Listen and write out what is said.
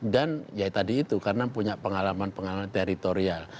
dan ya tadi itu karena punya pengalaman pengalaman teritorial